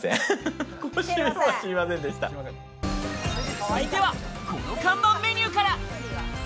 続いては、この看板メニューから。